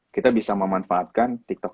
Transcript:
kita bisa memanfaatkan tiktok